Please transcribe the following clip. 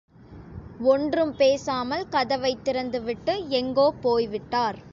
ஒன்றும் பேசாமல் கதவைத் திறந்துவிட்டு, எங்கோ போய்விட்டார்.